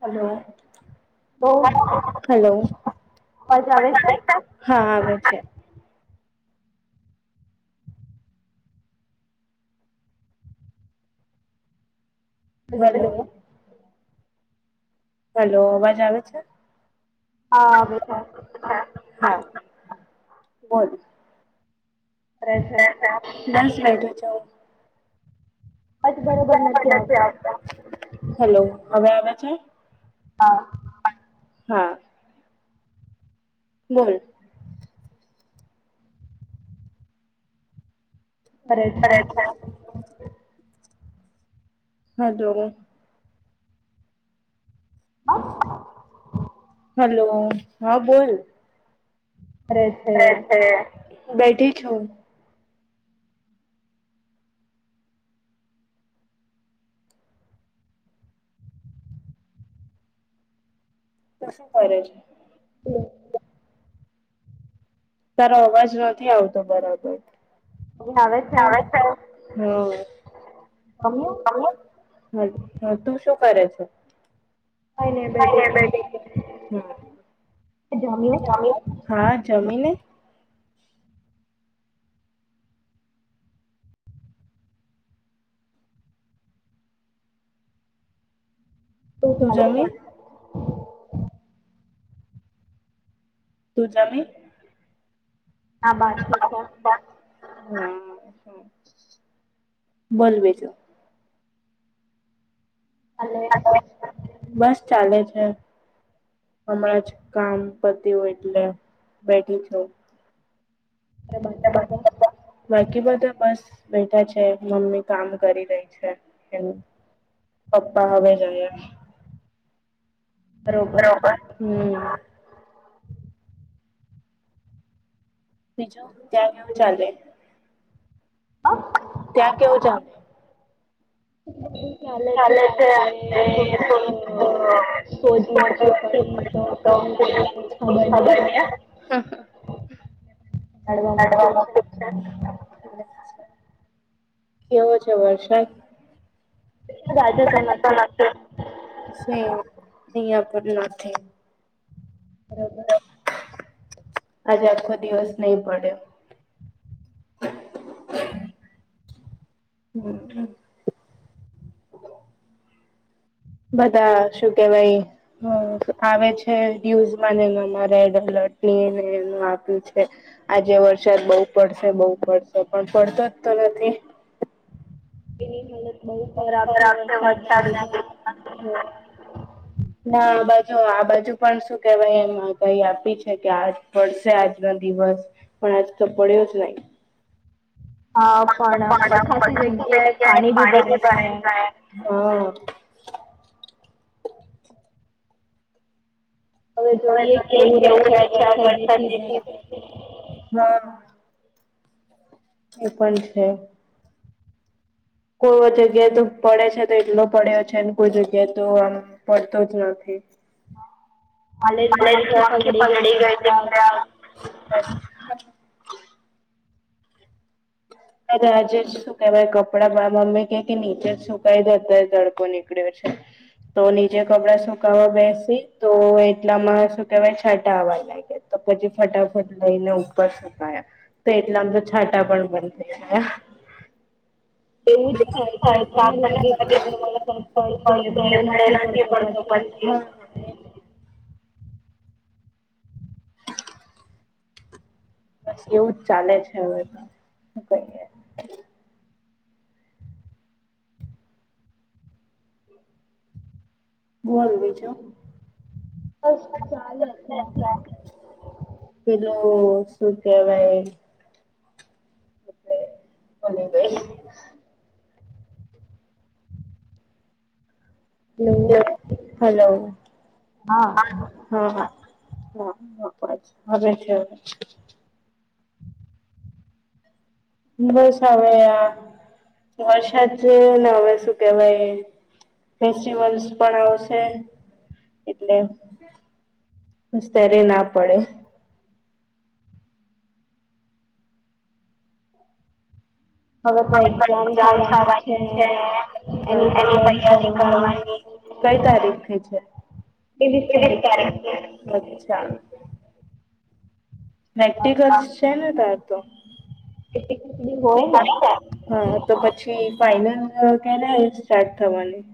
Hello hello હા આવે છે. હ [unintelligible] [inaudible] હલો અવાજ આવે છે હા આવે છે હા બોલ પ્ર [unintelligible] છે દસ લટું છ. હેલો. હવે આવે છે? હા! હા! બોલ. શુ કરે છે [unintelligible] હલો. હા બોલ. રહે. બેઠી છું. તો શું કરે છે? તારો અવાજ નથી આવતો બરાબર. [unintelligible] તું શું કરે છે? [unintelligible] હા! જમીને. તું જામી? તું જામી? હા બાકી હા! બોલ બીજુ. અલ. બસ ચાલે છે. હમણાં જ કામ પતી હોય એટલે. બેઠી છુ બાકી બધા? બાકી બધા બસ બેઠા છે. મમ્મી કામ કરી રહી છે. પપ્પા હવે જ આવ્યા. બરોબર હમ! બીજું, ત્યાં કેવું ચાલે? ત્યાં કેવું ચાલે? ચાલે છે આપ. [unintelligible] [unintelligible] કેવો છે વરસાદ? [unintelligible] હમ! આજે આખો દિવસ નહી પડ્યો. હમ! બધા, શું કેવાય? હ આવે છે ન્યુઝમાં એમાં રેડ એલર્ટ ની એનું આપ્યું છે. આજે વરસાદ બહુ પડશે બહુ પડશે પણ પડતો જ તો નથી. એની હાલત બઉ ખરાબ છે વરસાદ ના લીધે ના આ બાજુ આ બાજુ પણ શું કેહેવાય આગાહી આપી છે કે આજ પડશે આજનો દિવસ પણ આજ તો પડીી્યો જ નહી. [unintelligible] [unintelligible] એ પણ છે. કોઈ જગ્યાએ તો પડે છે તો એટલો પડ્યો છે. ને કોઈ જગ્યા તો આમ પડતો જ નથી. [unintelligible] [unintelligible] શ કવાય કપડાં અમે ક કે નીચે જ સુકાઈ દેતાય. તડકો નીકળ્યો છે. તો નીચે કપડાં સુકાવા બેસી, તો એટલામાં સુકવાય છાંટા આવવા તો પછી ફટાફટ લઈને ઉપર સુકાયા. તો એટલા આમ તો છાટા પણ બન [inaudible] [inaudible] એવું જ થાય છે આપણને લાગે કે અગર વરસાદ પડશે પણ નથી પડતો પછી હ એજ બસ એવું જ ચાલે છે હવે પણ શું કહીએ, બોલ બીજુ ચાલે આ છે. પેલુ સુ કેવાઈ બની ગઈ [unintelligible] નવુ હાલો હા હા હા હા છે આવે છે. બસ હવે આ વરસાદ જોયે ને સુ કેવાય ફેસ્ટિવલ્સ પણ આવશે એટલે બસ ત્યારે ના પડે જન્માષટમી આવવાની છે એની તૈયારી કરવાની કઈ તારીખથી છે ત્રેવીસ તારીખથી અચ્છા નેક્ટિકલસ છે ને તાર તો [unintelligible] હા તો પછી પછી ફાઈનલ ક્યારે સ્ટાર્ટ થવાની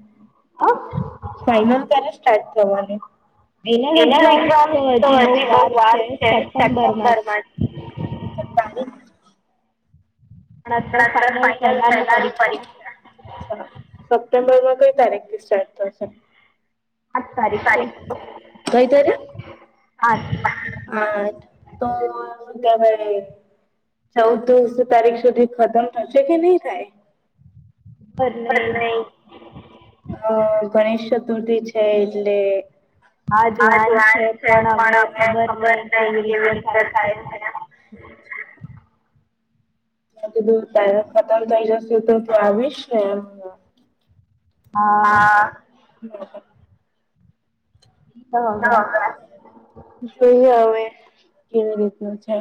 ફાઈનલ ક્યારે સ્ટાર્ટ થવાની? એના એક્ઝામ તો હજી બહુ વાર છે સેપ્ટેમ્બરમાં તારીખ? પણ આતો ફાઈનલ પેલા ની પરીક્ષા હા સપ્ટેમ્બર માં કઈ તારીખથી સ્ટાર્ટ થશે? [unintelligible] કઈ તારીખ આઢ [unintelligible] ચૌદ [unintelligible] તારીખ સુધી ખતમ થશે કે નહી થાય ખબર ની હ ગણેશ ચતુર્થી છે એટલે હા જ વાત છે પણ હવે ખબર નહી કેવી રીતે થાય છે. મે કીધુ ટાઈમે ખતમ થઇ જશે તો તું આવીશ ને એમ હા કે હવે જોઈએ હવે કેવી રીતનું છે.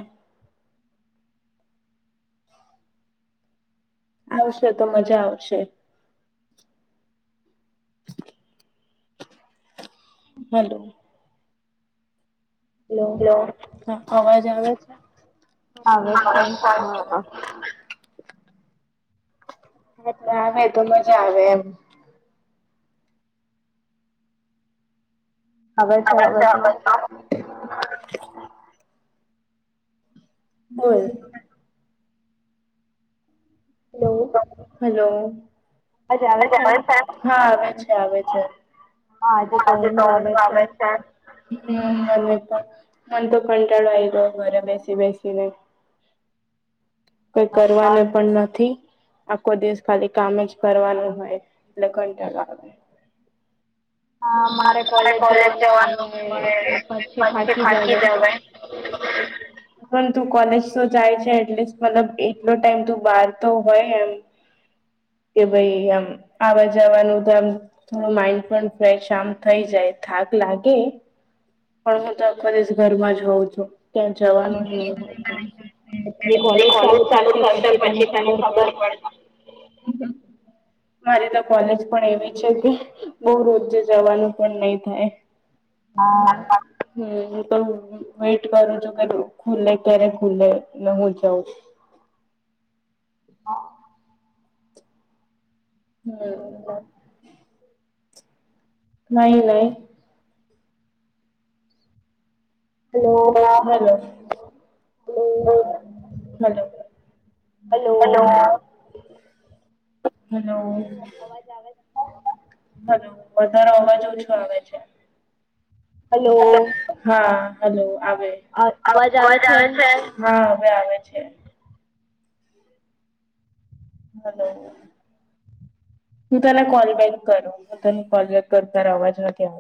આવશે તો મજા આવશે હલો હલો હલો હા અવાજ આવે છે? એટલે આવે તો મજા આવે એમ આવે છે હવે તો [inaudible] બોલ હલો અવાજ આવે છે? હા આવે છે આવે છે આજે તો ઊંઘ આવે છે હમ મને પણ મને તો કંટાળો આવી ગયો ઘરે બેસી બેસીને કઈ કરવાનુ પણ નથી આખો દિવસ ખાલી કામ જ કરવાનું હોય એટલે કંટાળો આવે કોલેજ જવાનું હોય એટલે પછુ થાકી જવાય પણ તું કોલેજ તો જાય છે એટલીસ્ટ મતલબ એટલો ટાઈમ તું બહાર તો હોય એમ કે ભઈ આમ આવા જવાનું તો આમ થોડો માઈન્ડ પણ ફ્રેશ આમ થઈ જાય થાક લાગે પણ હું તો આખો દિવસ ઘરમાં જ હોઉં છું ક્યાંય જવાનું નહી હો કોલેજ ચાલુ થશે પછી તને ખબર પડશે. મારી તો કોલેજ પણ એવી છે કે બવ રોજે જવાનું પણ નહી થાય. [inaudible] હમ હું તો વેટ કરું છું કે ગ્રુપ ખુલે ક્યારે ખુલે ને હું જઉ. હા [inaudible] હમ નહી નહી ઓ હેલો ઓ હલો હલ્લોઓ. હલોઓ અવાજ આવે છ. હલો વધારો અવાજ ઓછો આવે છે. હા હલો આવેજ અવાજ આવે છે. હા હવે આવે છે. હલો. હું તને કોલ બેક કરું હું તને કોલ બેક કરું તારો અવાજ નથી આવતો.